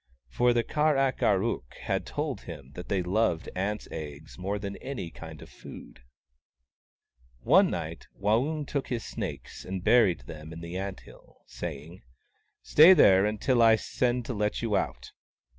For the Kar ak ar ook had told him that they loved ants' eggs more than any kind of food. One night, Waung took his snakes, and buried them in the ant hill, saying, " Stay there until I send to let you out."